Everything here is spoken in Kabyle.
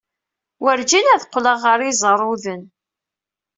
Werǧin ad qqleɣ ɣer Iẓerruden.